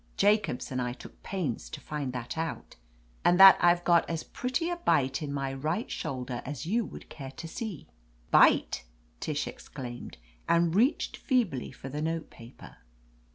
Jacobs and I took pains to find that out. And that I've got as pretty a bite in my right shoulder as you would care to see?" "Bite !" Tish exclaimed, and reached feebly for the note paper.